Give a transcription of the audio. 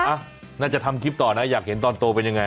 อ่ะน่าจะทำคลิปต่อนะอยากเห็นตอนโตเป็นยังไง